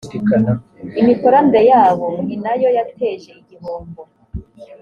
imikoranire yabo ninayo yateje igihombo.